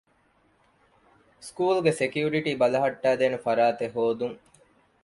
ސްކޫލްގެ ސެކިއުރިޓީ ބަލަހައްޓައިދޭނެ ފަރާތެއް ހޯދުން